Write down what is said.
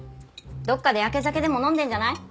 どっかでやけ酒でも飲んでんじゃない？